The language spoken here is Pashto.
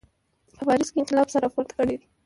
په پاریس کې انقلاب سر راپورته کړی و.